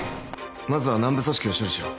まずは軟部組織を処理しろ。